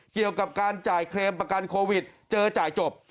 เกี่ยวกับการจ่ายเคลมประกันโควิดเจอจ่ายจบ